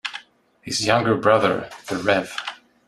His younger brother, the Rev.